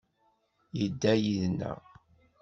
Yedda yid-neɣ.